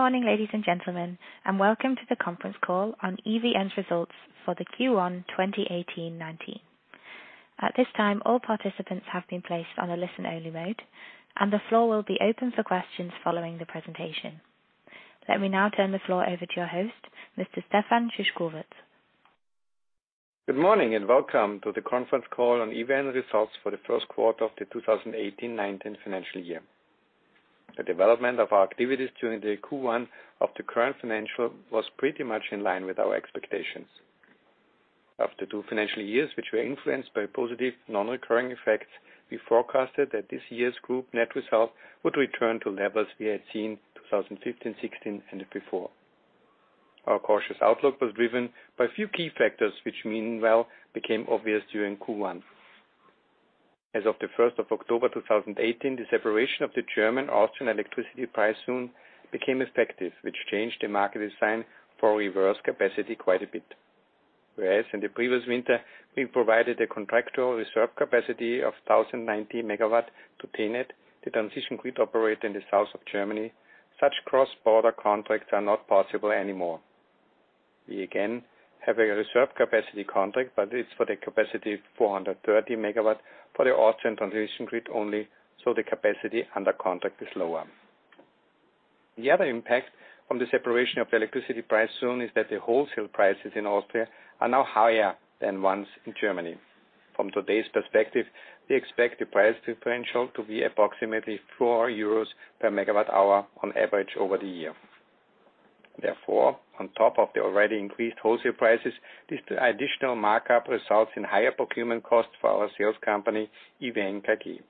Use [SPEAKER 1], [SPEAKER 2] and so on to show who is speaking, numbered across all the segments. [SPEAKER 1] Good morning, ladies and gentlemen, and welcome to the conference call on EVN's results for the Q1 2018-19. At this time, all participants have been placed on a listen-only mode, and the floor will be open for questions following the presentation. Let me now turn the floor over to your host, Mr. Stefan Szyszkowitz.
[SPEAKER 2] Good morning and welcome to the conference call on EVN results for the first quarter of the 2018-19 financial year. The development of our activities during the Q1 of the current financial was pretty much in line with our expectations. After two financial years, which were influenced by positive non-recurring effects, we forecasted that this year's group net results would return to levels we had seen 2015-16 and before. Our cautious outlook was driven by a few key factors which meanwhile became obvious during Q1. As of the 1st of October 2018, the separation of the German-Austrian electricity price zone became effective, which changed the market design for reverse capacity quite a bit. Whereas in the previous winter, we provided a contractual reserve capacity of 1,090 megawatts to TenneT, the transmission grid operator in the south of Germany, such cross-border contracts are not possible anymore. We, again, have a reserve capacity contract, but it's for the capacity of 430 megawatts for the Austrian transmission grid only, so the capacity under contract is lower. The other impact from the separation of the electricity price zone is that the wholesale prices in Austria are now higher than ones in Germany. From today's perspective, we expect the price differential to be approximately 4 euros per megawatt-hour on average over the year. Therefore, on top of the already increased wholesale prices, this additional markup results in higher procurement costs for our sales company, EVN AG.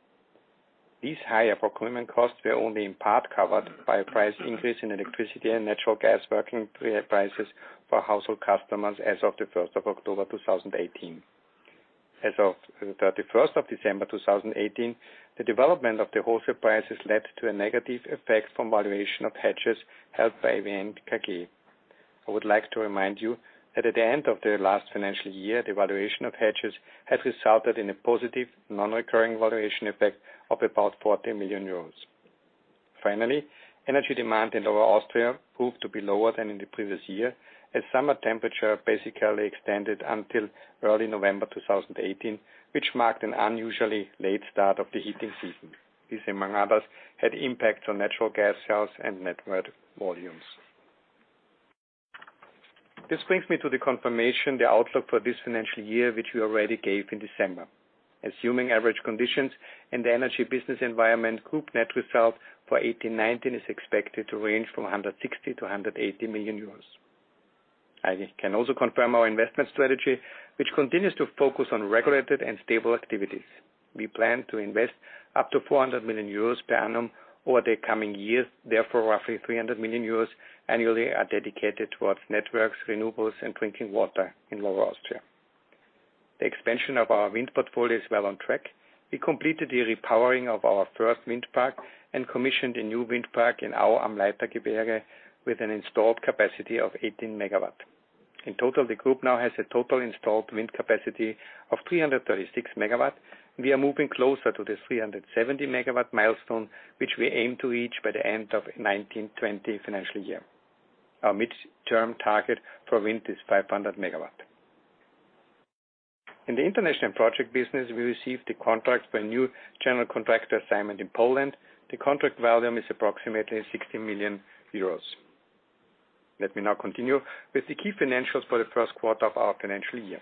[SPEAKER 2] These higher procurement costs were only in part covered by a price increase in electricity and natural gas working prices for household customers as of the 1st of October 2018. As of the 31st of December 2018, the development of the wholesale prices led to a negative effect from valuation of hedges held by EVN AG. I would like to remind you that at the end of the last financial year, the valuation of hedges had resulted in a positive non-recurring valuation effect of about 40 million euros. Finally, energy demand in Lower Austria proved to be lower than in the previous year, as summer temperature basically extended until early November 2018, which marked an unusually late start of the heating season. This, among others, had impacts on natural gas sales and network volumes. This brings me to the confirmation, the outlook for this financial year, which we already gave in December. Assuming average conditions in the energy business environment, group net result for 2018-19 is expected to range from 160 million-180 million euros. I can also confirm our investment strategy, which continues to focus on regulated and stable activities. We plan to invest up to 400 million euros per annum over the coming years. Therefore, roughly 300 million euros annually are dedicated towards networks, renewables, and drinking water in Lower Austria. The expansion of our wind portfolio is well on track. We completed the repowering of our first wind park and commissioned a new wind park with an installed capacity of 18 MW. In total, the group now has a total installed wind capacity of 336 MW. We are moving closer to the 370 MW milestone, which we aim to reach by the end of 1920 financial year. Our midterm target for wind is 500 MW. In the international project business, we received a contract for a new general contractor assignment in Poland. The contract volume is approximately 60 million euros. Let me now continue with the key financials for the first quarter of our financial year.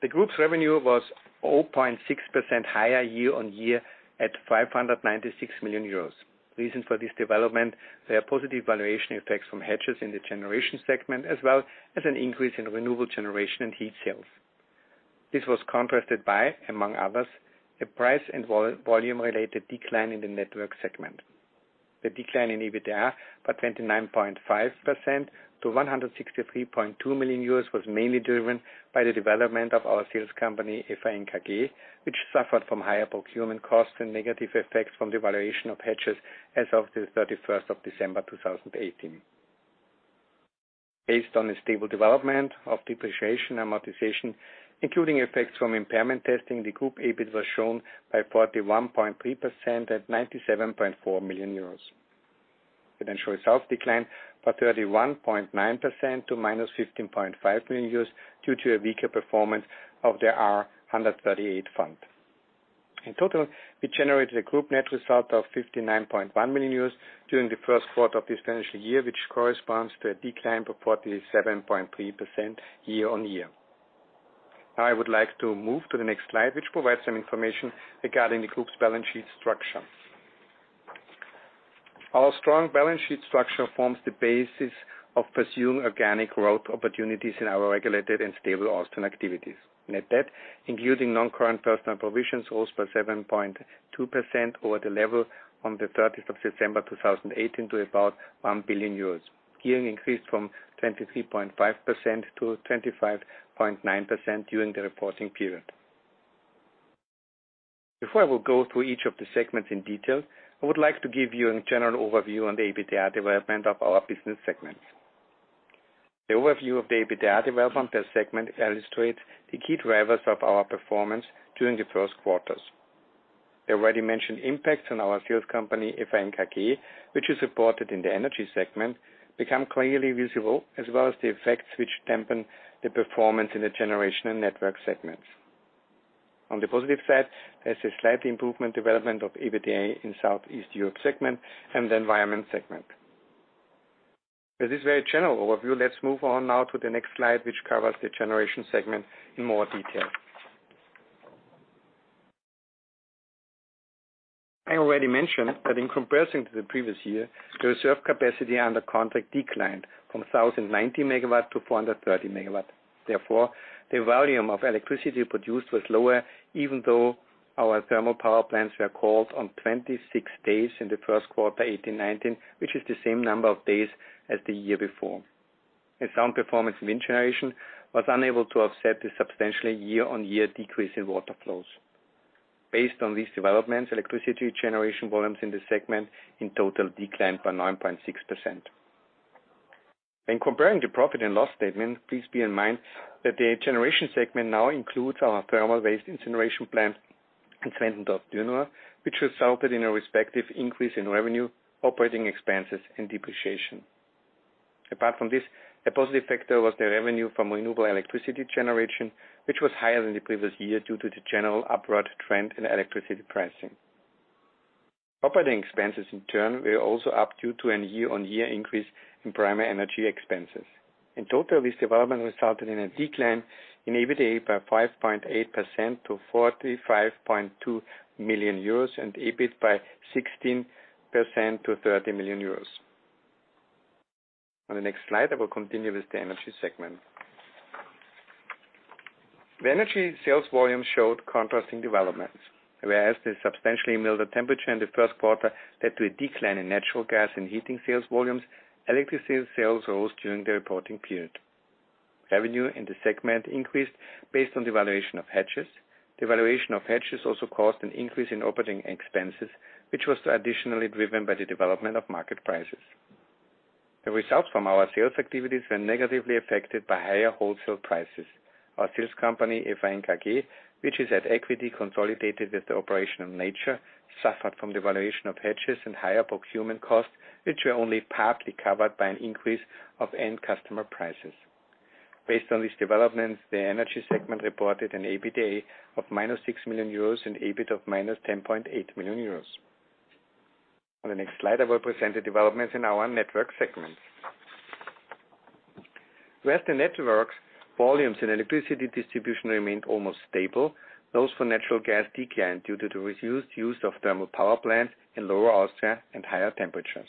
[SPEAKER 2] The group's revenue was 0.6% higher year-on-year at 596 million euros. Reason for this development, we have positive valuation effects from hedges in the generation segment, as well as an increase in renewable generation and heat sales. This was contrasted by, among others, a price and volume-related decline in the network segment. The decline in EBITDA by 29.5% to 163.2 million euros was mainly driven by the development of our sales company, EVN AG, which suffered from higher procurement costs and negative effects from the valuation of hedges as of the 31st of December 2018. Based on a stable development of depreciation amortization, including effects from impairment testing, the group EBIT was shown by 41.3% at 97.4 million euros. Financial results declined by 31.9% to minus 15.5 million euros due to a weaker performance of their R138 fund. In total, we generated a group net result of 59.1 million euros during the first quarter of this financial year, which corresponds to a decline of 47.3% year-on-year. I would like to move to the next slide, which provides some information regarding the group's balance sheet structure. Our strong balance sheet structure forms the basis of pursuing organic growth opportunities in our regulated and stable Austrian activities. Net debt, including non-current personal provisions, rose by 7.2% over the level on the 30th of September 2018 to about 1 billion euros. Gearing increased from 23.5% to 25.9% during the reporting period. Before I will go through each of the segments in detail, I would like to give you a general overview on the EBITDA development of our business segments. The overview of the EBITDA development per segment illustrates the key drivers of our performance during the first quarters. The already mentioned impacts on our sales company, EVN AG, which is reported in the energy segment, become clearly visible, as well as the effects which dampen the performance in the generation and network segments. On the positive side, there's a slight improvement development of EBITDA in Southeast Europe segment and the environment segment. With this very general overview, let's move on now to the next slide, which covers the generation segment in more detail. I already mentioned that in comparison to the previous year, reserved capacity under contract declined from 1,090 MW to 430 MW. Therefore, the volume of electricity produced was lower, even though our thermal power plants were called on 26 days in the first quarter 2018/2019, which is the same number of days as the year before. A sound performance in wind generation was unable to offset the substantial year-on-year decrease in water flows. Based on these developments, electricity generation volumes in this segment in total declined by 9.6%. When comparing the profit and loss statement, please bear in mind that the generation segment now includes our thermal waste incineration plant in St. Pölten, Austria, which resulted in a respective increase in revenue, operating expenses, and depreciation. Apart from this, a positive factor was the revenue from renewable electricity generation, which was higher than the previous year due to the general upward trend in electricity pricing. Operating expenses, in turn, were also up due to a year-on-year increase in primary energy expenses. In total, this development resulted in a decline in EBITDA by 5.8% to 45.2 million euros and EBIT by 16% to 30 million euros. On the next slide, I will continue with the energy segment. The energy sales volume showed contrasting developments. Whereas the substantially milder temperature in the first quarter led to a decline in natural gas and heating sales volumes, electricity sales rose during the reporting period. Revenue in the segment increased based on the valuation of hedges. The valuation of hedges also caused an increase in operating expenses, which was additionally driven by the development of market prices. The results from our sales activities were negatively affected by higher wholesale prices. Our sales company, EVN AG, which is at equity consolidated with the operation of network, suffered from the valuation of hedges and higher procurement costs, which were only partly covered by an increase of end customer prices. Based on these developments, the energy segment reported an EBITDA of minus 6 million euros and EBIT of minus 10.8 million euros. On the next slide, I will present the developments in our networks segment. Whereas the networks volumes and electricity distribution remained almost stable, those for natural gas declined due to the reduced use of thermal power plants and lower offtake and higher temperatures.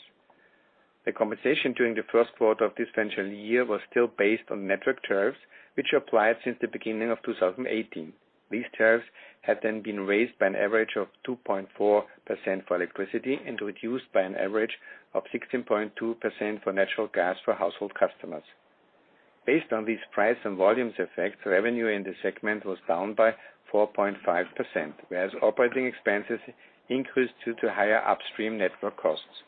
[SPEAKER 2] The compensation during the first quarter of this financial year was still based on network tariffs, which applied since the beginning of 2018. These tariffs had been raised by an average of 2.4% for electricity and reduced by an average of 16.2% for natural gas for household customers. Based on these price and volumes effects, revenue in the segment was down by 4.5%, whereas operating expenses increased due to higher upstream network costs.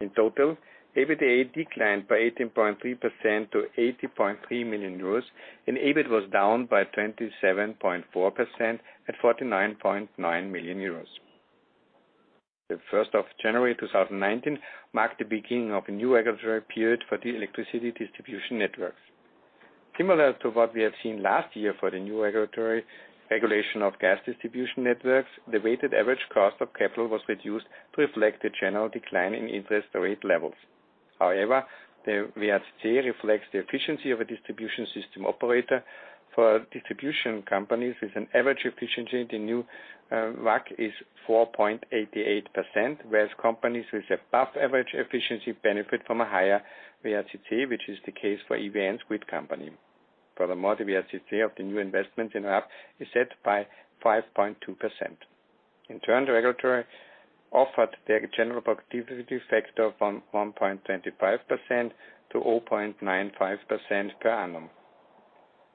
[SPEAKER 2] In total, EBITDA declined by 18.3% to 80.3 million euros, and EBIT was down by 27.4% at 49.9 million euros. The 1st of January 2019 marked the beginning of a new regulatory period for the electricity distribution networks. Similar to what we have seen last year for the new regulation of gas distribution networks, the weighted average cost of capital was reduced to reflect the general decline in interest rate levels. However, the WACC reflects the efficiency of a distribution system operator. For distribution companies with an average efficiency, the new WACC is 4.88%, whereas companies with above average efficiency benefit from a higher WACC, which is the case for EVN's grid company. Furthermore, the WACC of the new investments in WACC is set by 5.2%. In turn, the regulator offered the general productivity factor from 1.25% to 0.95% per annum.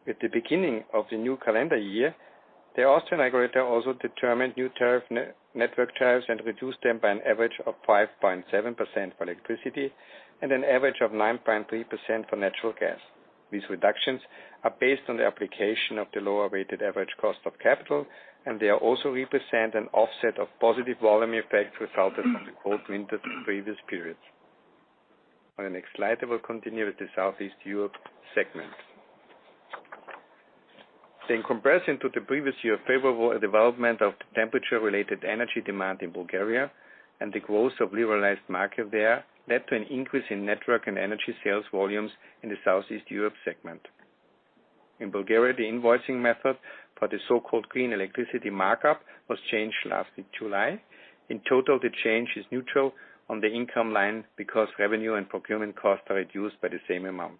[SPEAKER 2] At the beginning of the new calendar year, the Austrian regulator also determined new network tariffs and reduced them by an average of 5.7% for electricity and an average of 9.3% for natural gas. These reductions are based on the application of the lower weighted average cost of capital, and they also represent an offset of positive volume effects resulting from the cold winter in previous periods. On the next slide, I will continue with the Southeast Europe segment. In comparison to the previous year, favorable development of the temperature-related energy demand in Bulgaria and the growth of liberalized market there led to an increase in network and energy sales volumes in the Southeast Europe segment. In Bulgaria, the invoicing method for the so-called green electricity markup was changed last July. In total, the change is neutral on the income line because revenue and procurement costs are reduced by the same amount.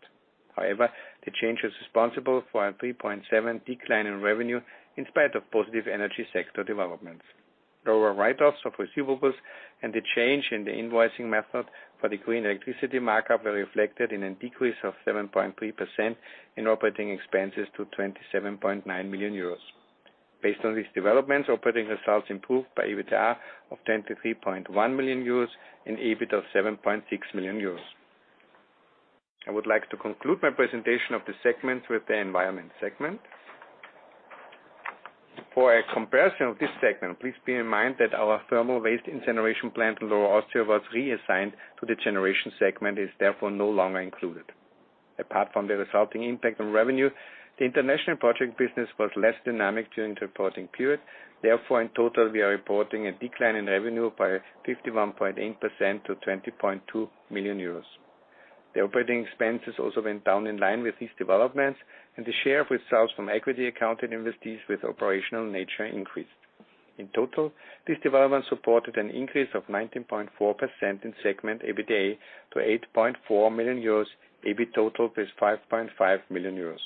[SPEAKER 2] However, the change is responsible for a 3.7% decline in revenue in spite of positive energy sector developments. Lower write-offs of receivables and the change in the invoicing method for the green electricity markup were reflected in a decrease of 7.3% in operating expenses to 27.9 million euros. Based on these developments, operating results improved by EBITDA of 10-3.1 million euros and EBIT of 7.6 million euros. I would like to conclude my presentation of the segments with the environment segment. For a comparison of this segment, please bear in mind that our thermal waste incineration plant in Lower Austria was reassigned to the generation segment, and is therefore no longer included. Apart from the resulting impact on revenue, the international project business was less dynamic during the reporting period. Therefore, in total, we are reporting a decline in revenue by 51.8% to 20.2 million euros. The operating expenses also went down in line with these developments, and the share of results from equity accounted investees with operational nature increased. In total, this development supported an increase of 19.4% in segment EBITDA to 8.4 million euros, EBIT total plus 5.5 million euros.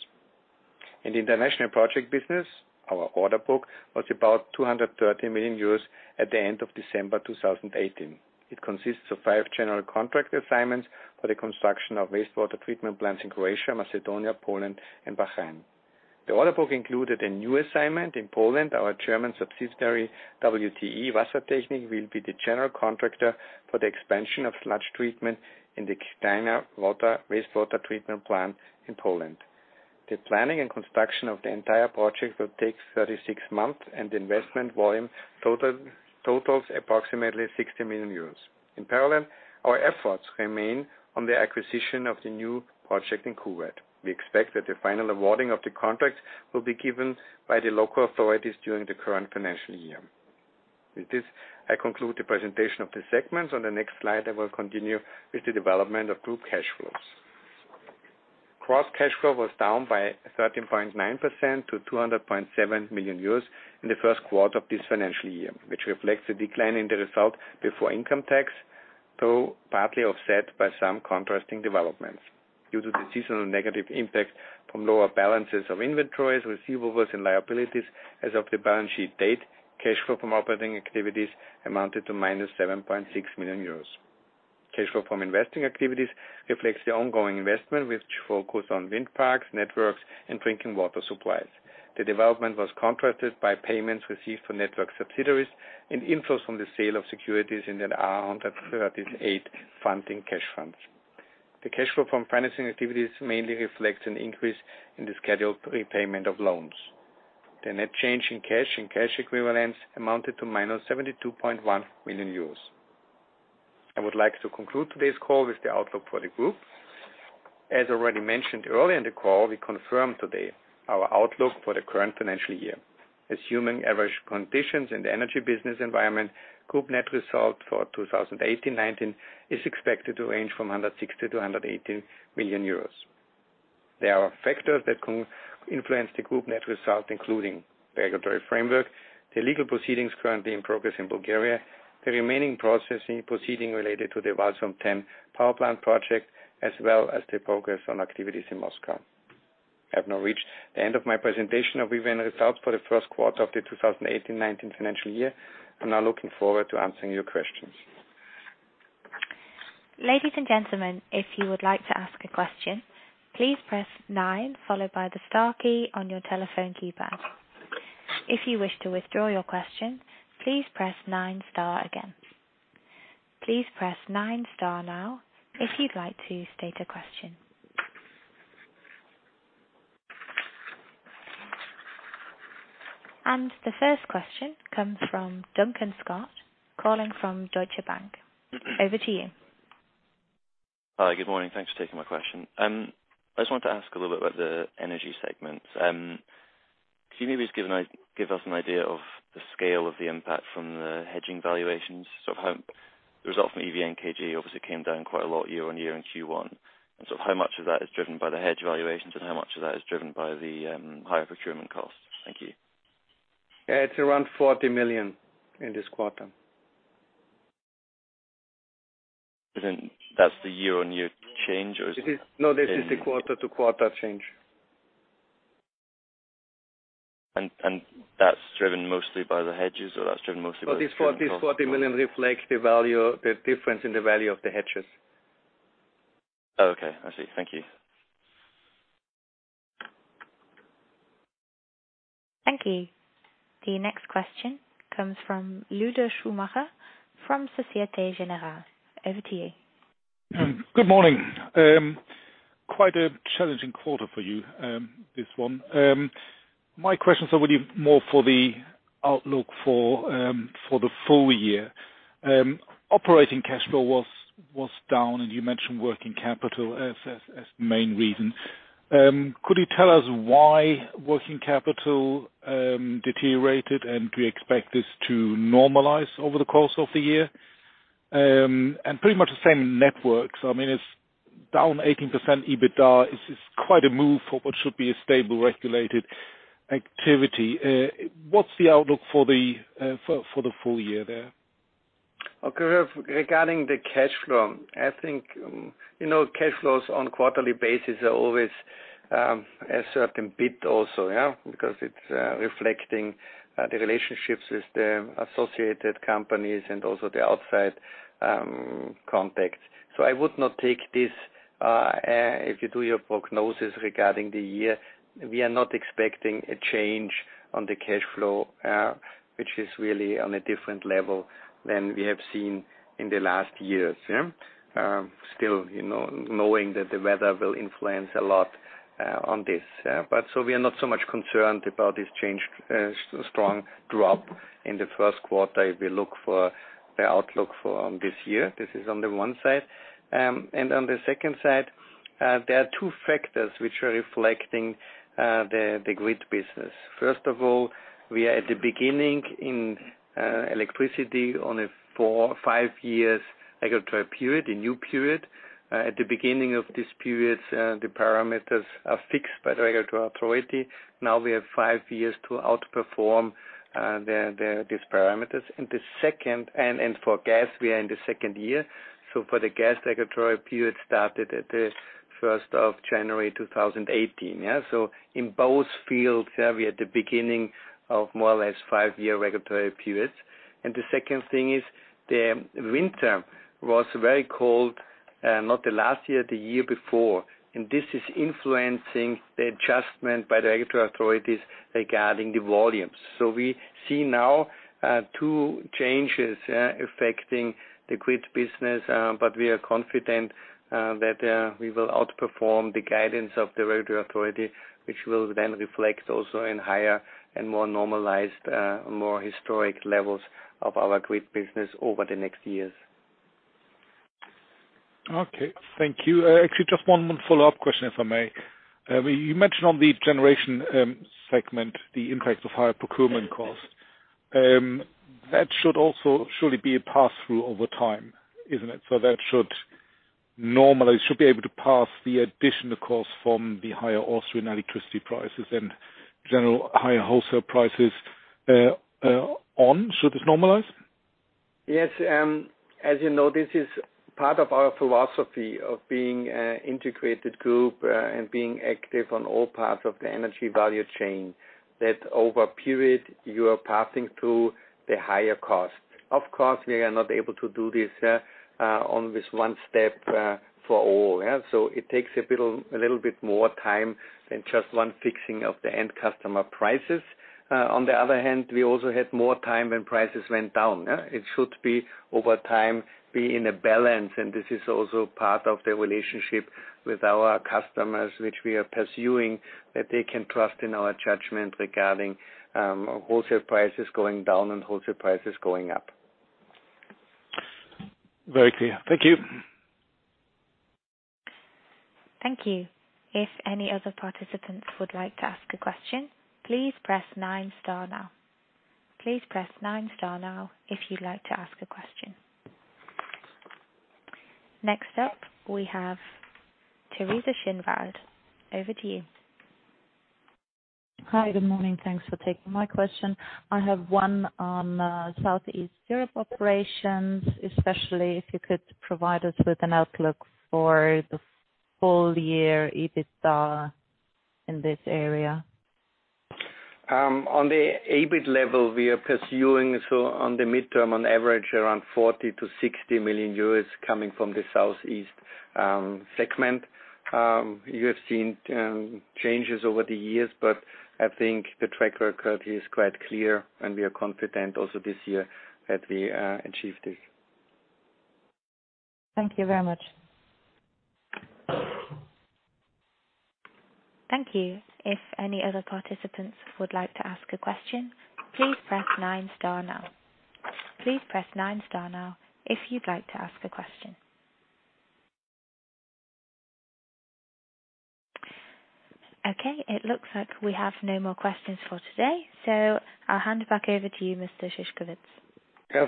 [SPEAKER 2] In the international project business, our order book was about 230 million euros at the end of December 2018. It consists of five general contract assignments for the construction of wastewater treatment plants in Croatia, Macedonia, Poland, and Bahrain. The order book included a new assignment in Poland. Our German subsidiary, WTE Wassertechnik, will be the general contractor for the expansion of sludge treatment in the Kępino wastewater treatment plant in Poland. The planning and construction of the entire project will take 36 months, and the investment volume totals approximately 60 million euros. In parallel, our efforts remain on the acquisition of the new project in Kuwait. We expect that the final awarding of the contract will be given by the local authorities during the current financial year. With this, I conclude the presentation of the segments. On the next slide, I will continue with the development of group cash flows. Gross cash flow was down by 13.9% to 200.7 million euros in the first quarter of this financial year, which reflects the decline in the result before income tax, though partly offset by some contrasting developments. Due to the seasonal negative impact from lower balances of inventories, receivables, and liabilities as of the balance sheet date, cash flow from operating activities amounted to minus 7.6 million euros. Cash flow from investing activities reflects the ongoing investment, which focus on wind parks, networks, and drinking water supplies. The development was contrasted by payments received for network subsidiaries and inflows from the sale of securities and then R138 funding cash funds. The cash flow from financing activities mainly reflects an increase in the scheduled repayment of loans. The net change in cash and cash equivalents amounted to minus 72.1 million euros. I would like to conclude today's call with the outlook for the Group. As already mentioned earlier in the call, we confirm today our outlook for the current financial year. Assuming average conditions in the energy business environment, Group net result for 2018/19 is expected to range from 160 million euros to 180 million euros. There are factors that can influence the Group net result, including regulatory framework, the legal proceedings currently in progress in Bulgaria, the remaining proceeding related to the Walsum 10 power plant project, as well as the progress on activities in Moscow. I have now reached the end of my presentation of EVN results for the first quarter of the 2018/19 financial year. I'm now looking forward to answering your questions.
[SPEAKER 1] Ladies and gentlemen, if you would like to ask a question, please press nine followed by the star key on your telephone keypad. If you wish to withdraw your question, please press nine star again. Please press nine star now if you'd like to state a question. The first question comes from Duncan Scott, calling from Deutsche Bank. Over to you.
[SPEAKER 3] Hi. Good morning. Thanks for taking my question. I just wanted to ask a little bit about the energy segment. Can you maybe just give us an idea of the scale of the impact from the hedging valuations? How the result from EVN AG obviously came down quite a lot year-on-year in Q1, how much of that is driven by the hedge valuations and how much of that is driven by the higher procurement costs? Thank you.
[SPEAKER 2] It's around 40 million in this quarter.
[SPEAKER 3] That's the year-on-year change?
[SPEAKER 2] No, this is the quarter-to-quarter change.
[SPEAKER 3] That's driven mostly by the hedges or that's driven mostly by procurement costs?
[SPEAKER 2] This 40 million reflects the difference in the value of the hedges.
[SPEAKER 3] Oh, okay. I see. Thank you.
[SPEAKER 1] Thank you. The next question comes from Ludo Schumacher from Société Générale. Over to you.
[SPEAKER 4] Good morning. Quite a challenging quarter for you, this one. My questions are really more for the outlook for the full year. Operating cash flow was down, and you mentioned working capital as the main reason. Could you tell us why working capital deteriorated, and do you expect this to normalize over the course of the year? Pretty much the same networks. It's down 18% EBITDA. It's quite a move for what should be a stable regulated activity. What's the outlook for the full year there?
[SPEAKER 2] Okay. Regarding the cash flow, I think cash flows on quarterly basis are always a certain bit also, because it's reflecting the relationships with the associated companies and also the outside context. I would not take this, if you do your prognosis regarding the year, we are not expecting a change on the cash flow, which is really on a different level than we have seen in the last years. Still, knowing that the weather will influence a lot on this. We are not so much concerned about this strong drop in the first quarter if we look for the outlook for this year. This is on the one side. On the second side, there are two factors which are reflecting the grid business. First of all, we are at the beginning in electricity on a 5 years regulatory period, a new period. At the beginning of this period, the parameters are fixed by the regulatory authority. Now we have 5 years to outperform these parameters. For gas, we are in the second year. For the gas regulatory period started at the 1st of January 2018. In both fields, we are at the beginning of more or less 5-year regulatory periods. The second thing is, the winter was very cold, not the last year, the year before. This is influencing the adjustment by the regulatory authorities regarding the volumes. We see now two changes affecting the grid business, but we are confident that we will outperform the guidance of the regulatory authority, which will then reflect also in higher and more normalized, more historic levels of our grid business over the next years.
[SPEAKER 4] Okay. Thank you. Actually, just one more follow-up question, if I may. You mentioned on the generation segment, the impact of higher procurement costs. That should also surely be a pass-through over time, isn't it? That should be able to pass the additional cost from the higher Austrian electricity prices and general higher wholesale prices on. Should this normalize?
[SPEAKER 2] Yes. As you know, this is part of our philosophy of being an integrated group and being active on all parts of the energy value chain, that over a period you are passing through the higher cost. Of course, we are not able to do this on this one step for all. It takes a little bit more time than just one fixing of the end customer prices. On the other hand, we also had more time when prices went down. It should, over time, be in a balance, and this is also part of the relationship with our customers, which we are pursuing, that they can trust in our judgment regarding wholesale prices going down and wholesale prices going up.
[SPEAKER 4] Very clear. Thank you.
[SPEAKER 1] Thank you. If any other participants would like to ask a question, please press nine star now. Please press nine star now if you'd like to ask a question. Next up, we have Teresa Schinwald. Over to you.
[SPEAKER 5] Hi. Good morning. Thanks for taking my question. I have one on Southeast Europe operations, especially if you could provide us with an outlook for the full year EBITDA in this area.
[SPEAKER 2] On the EBIT level, we are pursuing, on the midterm, on average, around 40 million-60 million euros coming from the Southeast segment. You have seen changes over the years, but I think the track record here is quite clear, and we are confident also this year that we achieve this.
[SPEAKER 5] Thank you very much.
[SPEAKER 1] Thank you. If any other participants would like to ask a question, please press nine star now. Please press nine star now if you'd like to ask a question. Okay, it looks like we have no more questions for today. I'll hand it back over to you, Mr. Szyszkowitz.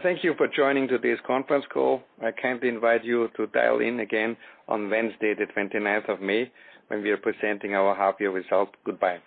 [SPEAKER 2] Thank you for joining today's conference call. I kindly invite you to dial in again on Wednesday the 29th of May when we are presenting our half year results. Goodbye.